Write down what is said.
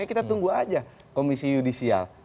ya kita tunggu aja komisi yudisial